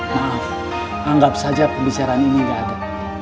maaf anggap saja pembicaraan ini gak ada